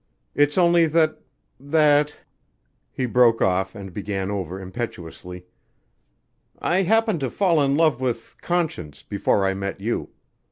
It's only that ... that " He broke off and began over impetuously. "I happened to fall in love with Conscience before I met you.